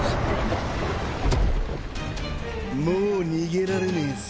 もう逃げられねえぜ。